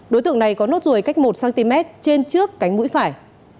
đối tượng này có nốt ruồi cách một cm trên trước cánh mũi phải